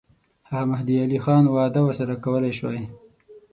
هغه مهدي علي خان وعده ورسره کولای سوای.